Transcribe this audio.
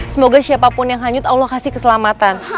semoga siapapun yang hanyut allah kasih keselamatan